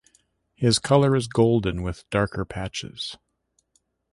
His color is Golden with darker patches.